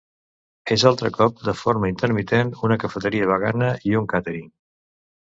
És altre cop de forma intermitent una cafeteria vegana i un càtering.